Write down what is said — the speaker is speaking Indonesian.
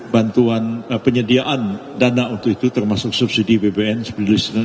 bantuan penyediaan dana untuk itu termasuk subsidi bbm